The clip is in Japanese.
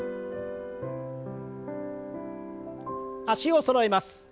脚をそろえます。